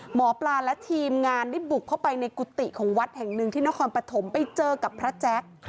หมอปลาและทีมงานได้บุกเข้าไปในกุฏิของวัดแห่งหนึ่งที่นครปฐมไปเจอกับพระแจ๊ค